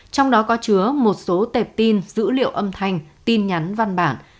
trong đó có chứa một số tệp tin dữ liệu âm thanh tin nhắn văn bản